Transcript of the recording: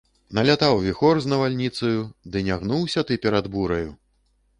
Налятаў віхор з навальніцаю, ды не гнуўся ты перад бураю!..